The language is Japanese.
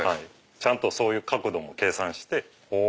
ちゃんとそういう角度も計算して。